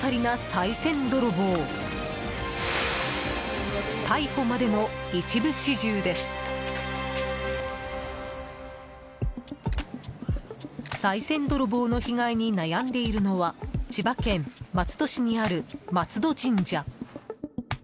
さい銭泥棒の被害に悩んでいるのは千葉県松戸市にある松戸神社。